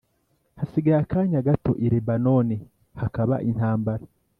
Hasigaye akanya gato i Lebanoni hakaba intambara